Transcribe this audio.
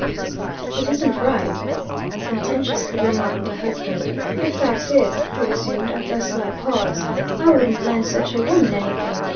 "It isn't right," sententiously remarked my husband. "The fact is," he resumed, after a slight pause, "I wouldn't lend such a woman anything.